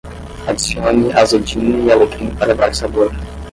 Adicione azedinha e alecrim para dar sabor